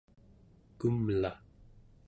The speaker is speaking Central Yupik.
kumla